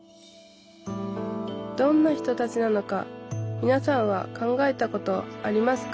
どんな人たちなのかみなさんは考えたことありますか？